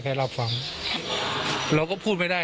ถ้าเรารู้เราก็พูดได้